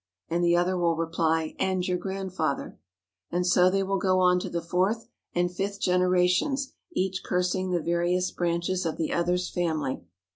and the other will reply, "And your grandfather!'' And so they will go on to the fourth and fifth generations, each cursing the various branches of the other's family.